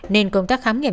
nên công tác khám nghiệm